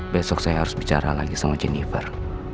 besok saya harus bicara lagi sama jennifer